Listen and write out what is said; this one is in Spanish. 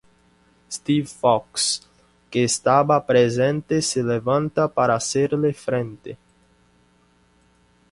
Steve Fox que estaba presente, se levanta para hacerle frente.